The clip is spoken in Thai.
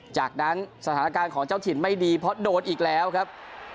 จากนั้นสถานการณ์ของเจ้าถิ่นไม่ดีเพราะโดนอีกแล้วครับ